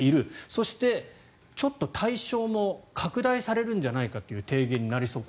そして、ちょっと対象も拡大されるんじゃないかという提言になりそう。